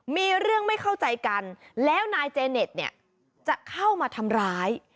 มีเรื่องไม่เข้าใจกันแล้วนายเจเน็ตเนี่ยจะเข้ามาทำร้าย